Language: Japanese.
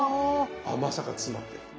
甘さが詰まってる。